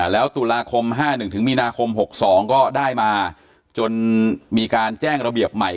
แล้วตุลาคม๕๑ถึงมีนาคม๖๒ก็ได้มาจนมีการแจ้งระเบียบใหม่